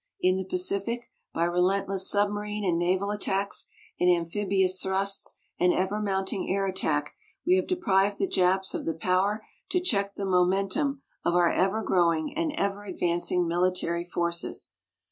In the Pacific, by relentless submarine and naval attacks, and amphibious thrusts, and ever mounting air attack, we have deprived the Japs of the power to check the momentum of our ever growing and ever advancing military forces.